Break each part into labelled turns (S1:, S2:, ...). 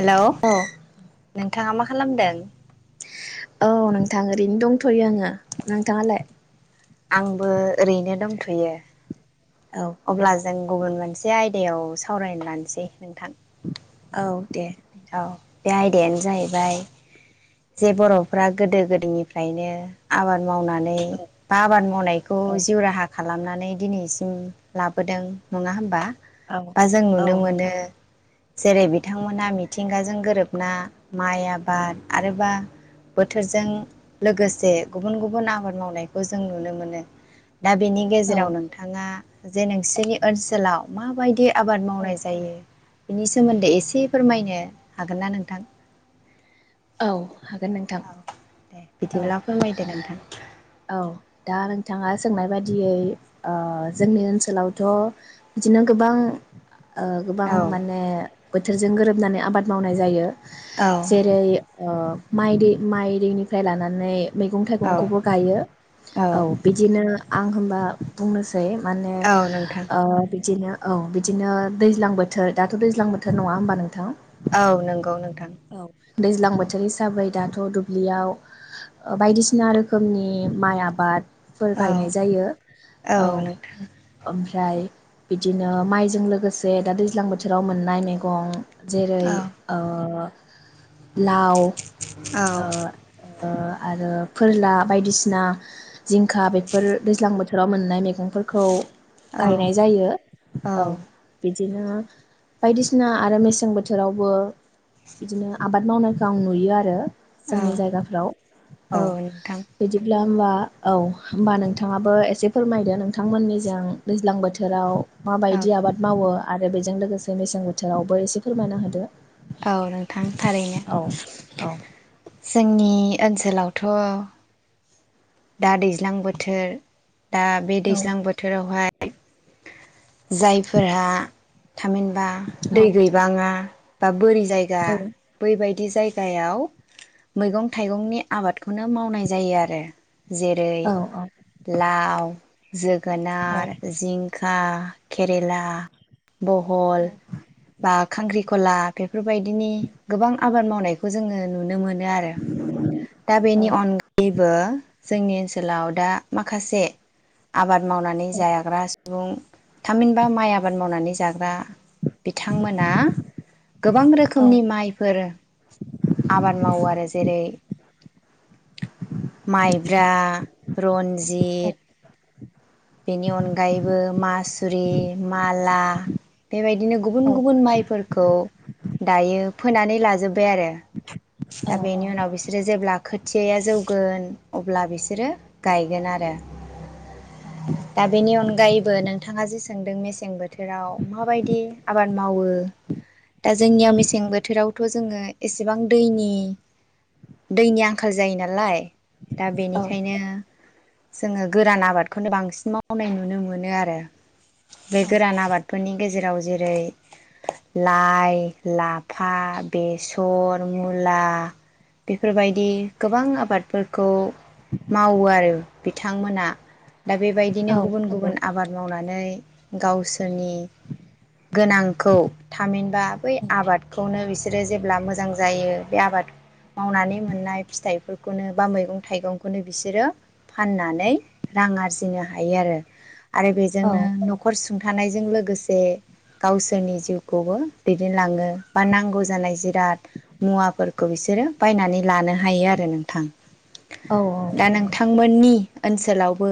S1: Hello
S2: औ
S1: नोंथाङा मा खालामदों
S2: औ नोंथां ओरैनो दंथ'यो आङो नोंथाङालाय?
S1: आंबो ओरैनो दंथ'यो।
S2: औ
S1: अब्ला जों गुबुन मोनसे आयदायाव सावरायनो लानोसै नोंथां
S2: औ। दे
S1: औ।
S2: नोंथां
S1: बे आयदायानो जाहैबाय जे बर'फ्रा गोदो गोदोनिफ्रायनो आबाद मावनानै बा आबाद मावनायखौ
S2: औ
S1: जिउ राहा खालाम खालामनानै दिनैसिम लाबोदों नङा होमबा?
S2: औ
S1: बा जों
S2: औ
S1: नुनो मोनो
S2: नोंथां
S1: जेरै बिथांमोना गोरोबना माइ आबाद आरोबा बोथोरजों लोगोसे गुबुन गुबुन आबाद मावनायखौ जों नुनो मोनो। दा बेनि
S2: औ
S1: गेजेराव नोंथाङा जे नोंसोरनि ओनसोलाव माबायदि आबाद मावनाय जायो बिनि सोमोन्दै एसे फोरमायनो हागोनना नोंथां?
S2: औ। हागोन नोंथां
S1: औ दे
S2: औ
S1: बिदिब्ला फोरमायदो नोंथां।
S2: औ दा नोंथाङा सोंनाय बायदियै ओ जोंनि ओनसोलावथ' बिदिनो गोबां ओ गोबां
S1: औ
S2: माने बोथोरजों गोरोबनानै आबाद मावनाय जायो।
S1: औ
S2: जेरै ओ माइ दै माइ दैनिफ्राय लानानै मैगं
S1: औ
S2: थाइगंखौबो गायो औ बिदिनो आं होनबा बुंनो सै मानो
S1: औ नोंथां
S2: बिदिनो औ बिदिनो दैज्लां बोथोर दाथ' दैज्लां बोथोर नङा होमबा नोंथां?
S1: औ नंगौ नों
S2: औ। दैज्लां बोथोर हिसाबै दाथ' दुब्लियाव ओ बायदिसिना रोखोमनि माइ आबाद फोर
S1: औ
S2: गायनाय जायो औ। ओम ओमफ्राय बिदिनो माइजों लोगोसे दा दैज्लां बोथोराव मोननाय मैगं जेरै
S1: औ
S2: ओ लाव ओ
S1: औ
S2: ओ आरो फोरला बायदिसिना जिंखा बेफोर दैज्लां बोथोर राव मोननाय मैगं फोरखौ गायनाय जायो औ बि दिनो बायदिसिना आरो मेसें बोथोरावबो बिदिनो आबाद मावनायखौ आं नुयो आरो। जोंनि
S1: औ
S2: जायगाफ्राव औ बिदिब्ला होमबा औ होमबा नोंथाङाबो एसे फोरमायदो नोंथांमोननिजों दैज्लां बोथोराव
S1: औ
S2: माबायदि आबाद मावो आरो बेजों लोगोसे मेसें बोथोरावबो एसे फोरमायना होदो।
S1: औ नोंथां थारैनो
S2: औ औ।
S1: जोंनि ओनसोलावथ' दा दैज्लां बोथोर दा बे
S2: औ
S1: दैज्लां बोथोरावहाय जायफोरहा थामहिनबा दै
S2: औ
S1: गैबाङा बा बोरि जायगा बै बायद दि जायगायाव मैगं थाइगंनि आबादखौनो मावनाय जायो आरो जेरै
S2: औ औ
S1: लाव
S2: औ
S1: जोगोनार जिंखा केरेला बहल बा खांख्रि खला फोरबायदिनि गोबां आबाद माव नायखौ जोंङो नुनो मोन नो आरो दा
S2: औ
S1: बेनि अनगायैबो जोंनि ओनसोलाव दा माखासे आबाद मावनानै जाग्रा सुबुं थामहिनबा माइ आबाद मावनानै जाग्रा बिथांमोना गोबां
S2: औ
S1: रोखोमनि माइफोर आबाद मावो आरो जेरै [unintelligible] माइब्रा रनजि जित बेनि अनगायैबो मासुरि माला बेबायदिनो गुबुन
S2: औ
S1: गुबुन माइफोरखौ दायो फोनानै लाजोब्बाय आरो दा बेनि उनाव बिसोरो जेब्ला खोथ थिया जौगोन अब्ला बिसोरो गायगोन आरो दा बेनि अनगायैबो नों थाङा जे सोंदों मेसें बोथोराव माबायदि आबाद मावो दा जोंनियाव मेसें बोथोरावथ' जोङो एसेबां दैनि दैनि आंखाल जायो नालाय दा बेनिखायनो जोङो गोरान आबाद बांसिन मावनाय नुनो मोनो आरो बे गोरान आबादफोरनि गेजेराव जेरै लाइ लाफा बेसर मुला बेफोरबायदि गोबां आबादफोरखौ मावो आरो बिथांमोना दा बेबायदिनो गुबुन
S2: नंगौ
S1: गुबुन आबाद मावनानै गावसोरनि गोनांखौ थामहिनबा बै आबादखौनो बिसो सोरो जेब्ला मोजां जायो बे आबाद मावनानै मोननाय फिथाइफोरखौनो बा मैगं थाइगंखौनो बिसोरो फाननानै रां आरजि नो हायो आरो आरो
S2: औ
S1: बेजोंनो नखर सुंथानाय जों लोगोसे गावसोरनि जिउखौबो दैदेनलाङो बा नांगौ जानाय जिराद मुवाफोरखौ बिसोरो बायनानै लानो हायो आरो नोंथां।
S2: औ
S1: दा नोंथांमोननि ओनसोलावबो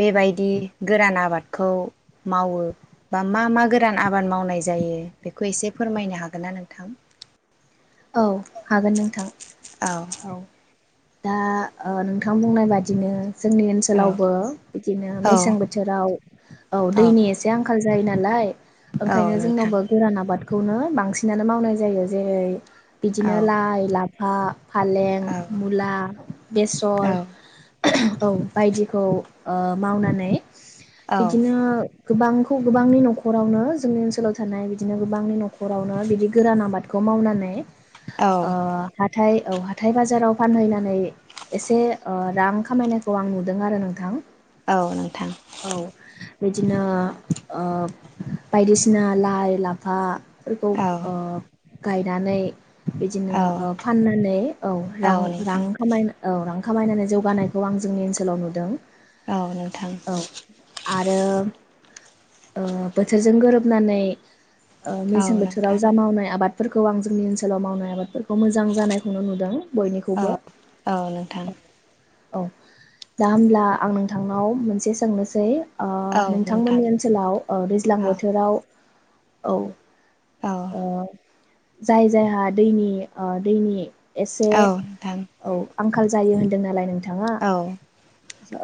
S1: बेबायदि गोरान आबादखौ मावो बा मा मा गोरान आबाद मावनाय जायो बेखौ एसे फोरमायनो हागोन ना नोंथां?
S2: औ हागोन नोंथां औ दा ओ नोंथां बुंनाय बादिनो जोंनि
S1: औ
S2: ओनसोलावबो बिदिनो
S1: औ
S2: मेसें बोथोराव औ दैनि एसे आंखाल जायो नालाय
S1: औ
S2: ओंखायनो
S1: नोंथां
S2: जोंनावबो गोरान आबाद खौनो बांसिनानो मावनाय जायो जेरै
S1: औ
S2: बिदिनो लाइ ला फा फालें,
S1: औ
S2: मुला,
S1: औ
S2: बेसर औ बायदिखौ ओ मावनानै
S1: औ
S2: बिदिनो गोबांखौ गोबांनि न'खरावनो जोंनि ओनसोलाव थानाय बिदिनो गोबांनि न'खरावनो बिदि गोरान आबादखौ मावनानै ओ
S1: औ
S2: हाथाय औ हाथाय बाजाराव फानहैनानै एसे ओ रां खामायनायखौ आं नुदों आरो नोंथां।
S1: औ नोंथां
S2: औ बिदिनो ओ बायदिसिना लाइ, लाफा फोरखौ
S1: औ
S2: ओ गायनानै बिदिनो
S1: औ
S2: ओ फाननानै औ रां रां खामाय औ रां खामायनानै जौगानायखौ आं जोंनि ओनसोलाव नुदों।
S1: औ नोंथां
S2: औ आरो ओ बोथोरजों गोरोबनानै ओ
S1: औ
S2: मेसें बोथोराव
S1: नोंथां
S2: जा मावनाय आबाद फोरखौ आं जोंनि ओ सोलाव मावनाय आबादफोरखौ मोजां जानायखौनो नुदों।
S1: औ
S2: बयनिखौबो
S1: औ नोंथां
S2: औ दा होमब्ला आं नोंथांनाव मोनसे सोंनोसै ओ
S1: औ नोंथां
S2: नोंथांमोननि ओनसोलाव ओ दैज्लां
S1: औ
S2: बोथोराव औ
S1: औ
S2: ओ जाय जायहा दैनि ओ दैनि एसे
S1: औ नोंथां
S2: औ आंखाल जायो होन दों नालाय थाङा
S1: औ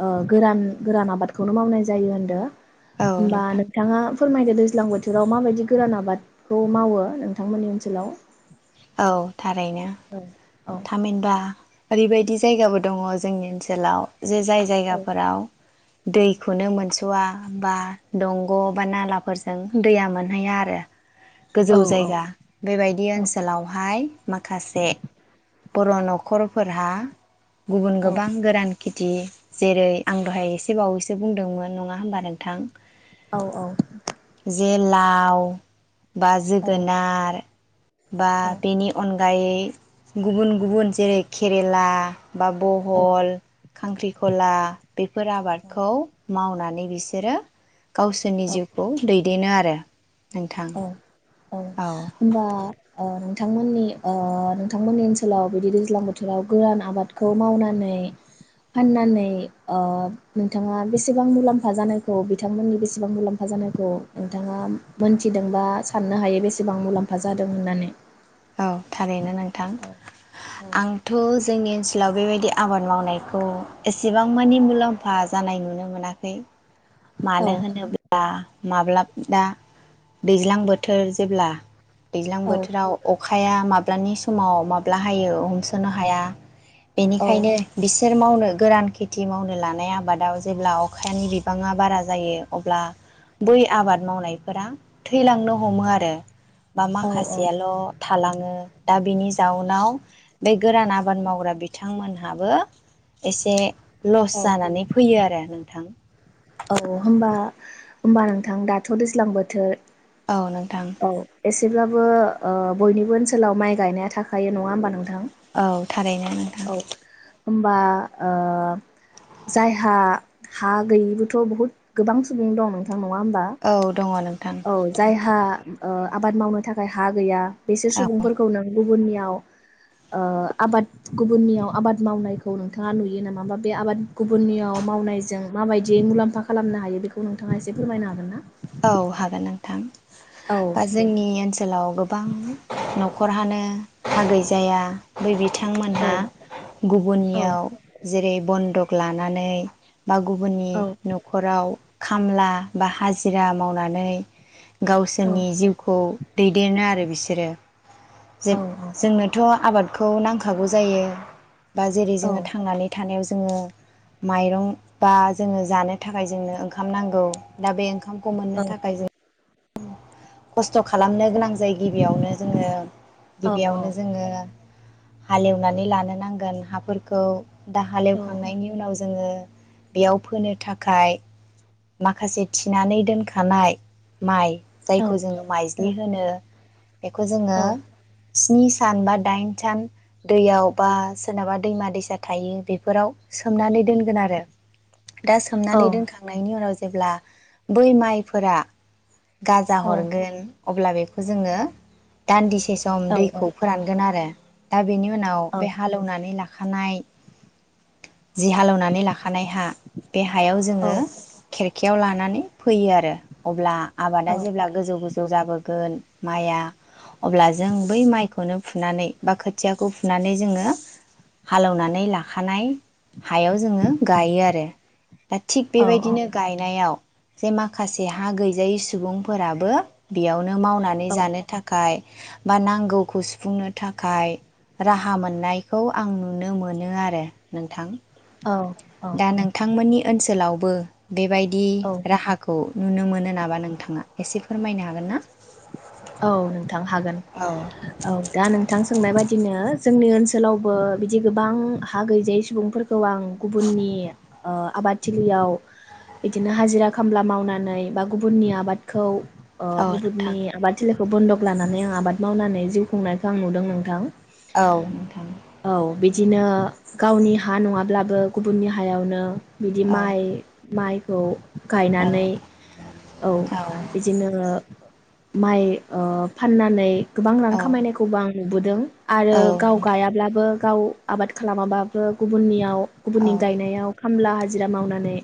S2: ओ गोरान गोरान आबादखौनो मावनाय जायो होनदो
S1: औ
S2: होमबा
S1: नोंथां
S2: नोंथाङा फोरमायदो दैज्लां बोथोराव माबायदि गोरान आबादखौ मावो नोंथांमोननि ओनसोलाव।
S1: औ थारैनो
S2: औ औ
S1: थामहिनबा ओरैबायदि जायगाबो दङ जोंनि ओनसोलाव जे जाय जायगाफोराव दैखौनो मोनस'वा बा दंग' बा नालाफोरजों दैया मोनहैया आरो
S2: औ
S1: गोजौ
S2: औ
S1: जायगा बेबायदि
S2: औ
S1: ओनस लावहाय माखासे बर' न'खरफोरहा गुबुन
S2: औ
S1: गोबां गोरान खेथि जेरै आं दहाय एसे बावैसो बुंदोंमोन नङा होमबा नोंथां
S2: औ-औ
S1: जे लाउ बा
S2: औ
S1: जोगोनार बा
S2: औ
S1: बेनि अन फाय गुबुन-गुबुन जेरै केरेला बा बहल खांख्रिखला बेफोर आबादखौ मावनानै बिसोरो गावसोरनि
S2: औ
S1: जिउखौ दैदेनो आ रो नोंथां
S2: औ औ होमबा ओ नों थांमोननि ओ नोंथांमोननि ओनसोलाव बिदि दैज्लां बोथोराव गोरान आबादखौ मावनानै फाननानै ओ नोंथाङा बेसेबां मुलाम्फा जानायखौ बिथांमोननि बेसेबां मुलाम्फा जानायखौ नोंथाङा मोनथि थिदोंबा साननो हायो बेसेबां मुलाम्फा जादों होननानै
S1: औ थारैनो नोंथां
S2: औ औ
S1: आंथ' जोंनि ओनसोलाव बेबायदि आबाद मावनायखौ एसेबां मानि मुलाम्फा जानाय नुनो मोनाखै मानो होनोब्ला माब्ला दा दैज्लां बोथोर जेब्ला दैज्लां
S2: औ
S1: बोथोराव खाया माब्लानि समाव माब्ला हायो हमसोनो हाया बेनिखायनो बिसोर मावनो गोरान खेथि मावनो लानाय आबादाव जेब्ला अखानि बिबाङा बारा जायो अब्ला बै आबाद मावनायफोरा थैलांनो हमो आरो बा
S2: औ
S1: माखासेयाल' लाङो दा बेनि जाउनाव बे गोरान आबाद मावग्रा बिथांमोनहाबो एसे लस
S2: औ
S1: जानानै फैयो आरो नोंथां
S2: औ होमबा होमबा नोंथां दाथ' दैज्लां बोथोर
S1: औ नोंथां
S2: औ एसेब्लाबो ओ बयनिबो ओनसोलाव माइ गायनाया थाखायो नङा होमबा नों
S1: औ थारैनो नोंथां
S2: होमबा ओ जायहा हा गैयिबो थ' बहुत गोबां सुबुं दं नों थां नङा होमबा
S1: औ दङ नोंथां
S2: औ जायहा ओ आबाद मावनो थाखाय हा गैया बिसोर
S1: औ
S2: सुबुंफोरखौ नों गुबुननि याव ओ आबाद गुबुननियाव आबाद मावनायखौ नोंथाङा नुयो नामा बे आबाद गुबुननियाव मावनायजों माबायदि जे मुलाम्फा खालामनो हायो बेखौ नोंथाङा एसे फोरमायनो हागोन ना?
S1: औ हागोन नोंथां
S2: औ
S1: बा
S2: दे
S1: जोंनि ओनसोलाव गो बां न'खरहानो हा गै जाया बै बि
S2: औ
S1: बिथांमोनहा
S2: औ
S1: गुबुननियाव जेरै बन्दक लानानै बा गुबुननि
S2: औ
S1: न'खराव खामला बा हाजो जिरा मावनानै गावसोरनि
S2: औ
S1: जिउखौ दैदेनो आरो बिसोर बिसोरो जे
S2: औ
S1: जोंनोथ' आबाद खौ नांखागौ जायो बा जेरै
S2: औ
S1: जोङो थांनानै थानायाव ज जोङो माइरं बा जोङो जानो थाखाय जोंनो ओंखाम नांगौ दा बे ओंखाम खौ मोननो
S2: औ
S1: थाखाय जों खस्थ' खालामनो गोनां जाय गिबियावनो जोङो
S2: औ
S1: गिबियावनो जोङो हालेवनानै लानो नांगोन हाफोरखौ। दा
S2: औ
S1: हालेवखांनायनि उनाव जोङो बेयाव फोनो थाखाय माखासे थिनानै दोनखानाय माइ
S2: औ
S1: जायखौ जोङो माइज्लि होनो बेखौ
S2: औ
S1: जोङो स्नि सान बा दाइन सान दैयाव बा सोरनाबा दैमा- दैसा थायो बेफोराव सोमनानै दोनगोन आरो। दा
S2: औ
S1: सोमनानै दोनखां उनाव जेब्ला बै माइफोरा गाजा
S2: औ
S1: हरगोन। अब्ला बेखौ जोङो दान्दिसे सम दैखौ फोरानगोन आरो। दा बेनि उ नाव बे हालौवनानै ला खानाय जि हालेवनानै लाखानाय हा बे हायाव
S2: औ
S1: जोङो खेरखियाव लानानै फैयो आरो अब्ला आबादा
S2: औ
S1: जेब्ला गोजौ- गोजौ जाबोगोन माइआ अब्ला जों बै माइखौनो फुनानै बा खोथियाखौ फुनानै जोङो हालेवनानै लाखानाय हायाव जोङो गायो आरो।
S2: औ
S1: बेबायदिनो गायनायाव जे माखासे हा गैजायै सुबुं फोराबो बेयावनो मावनानै जानो थाखाय बा नांगौखौ सुफुंनो थाखाय राहा मोननायखौ आं नुनो मोनो आरो नोंथां। दा नोंथां मोननि ओनसोलाव बो बेबायदि राहाखौ नुनो मोनो नामा नोंथाङा एसे फोरमायनो हागोन ना?
S2: औ नोंथां हागोन,
S1: औ
S2: औ दा नोंथां सोंनाय बायदिनो जोंनि ओनसोलावबो बिदि गोबां हा गैजायै सुबुं फोरखौ आं गुबुननि ओ आबाद थिलियाव बिदिनो हाजिरा खामला मावनानै बा गुबुननि आबादखौ ओ
S1: औ
S2: गु नि
S1: नोंथां
S2: आबाद थिलि फोरखौ बन्दक लानानै आं आबाद मावनानै जिउ खुंनायखौ आं नुदों नोंथां।
S1: औ नोंथां।
S2: औ बिदिनो गावनि हा नङा ब्लाबो गुबुननि हायावनो बिदि
S1: औ
S2: माइ माइ खौ
S1: औ
S2: गायनानै औ बिदिनो माइ ओ फाननानै गोबां रां
S1: औ
S2: खामायनाय खौबो आं नुबोदों। आरो
S1: औ
S2: गाव
S1: नोंथां
S2: गायाब्लाबो गाव आबाद खालामा बाबो गुबुन नियाव गुबुननि
S1: औ
S2: गायनायाव खामला हाजिरा मावनानै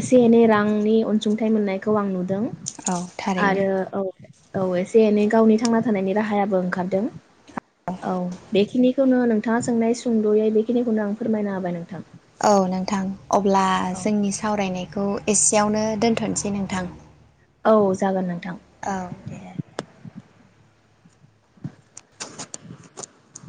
S2: एसे एनै रां नि अनसुंथाइ मोननायखौ आं नु दों
S1: औ थारैनो
S2: आरो औ एसे एनै गावनि थांना थानायनि राहायाबो ओंखारदों औ बेखिनि खौनो नोंथाङा सोंनाय सुंद'यै बेखिनि खौनो आं फोरमायना होबाय नोंथां।
S1: औ नोंथां अब्ला
S2: औ
S1: जोंनि सावराय नायखौ एस यावनो दोनथ'नोसै नोंथां।
S2: औ जागोन नोंथां।
S1: औ दे।
S2: [unintelligible]